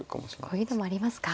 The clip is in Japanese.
こういう手もありますか。